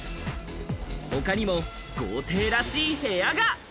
他にも豪邸らしい部屋が。